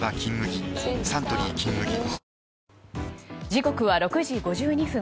時刻は６時５２分。